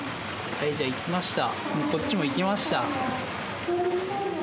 はいじゃあいきました。